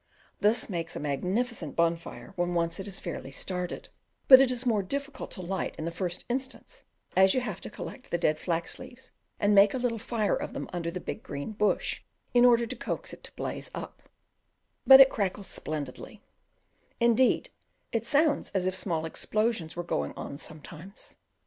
This makes a magnificent bonfire when once it is fairly started, but it is more difficult to light in the first instance, as you have to collect the dead flax leaves and make a little fire of them under the big green bush in order to coax it to blaze up: but it crackles splendidly; indeed it sounds as if small explosions were going on sometimes.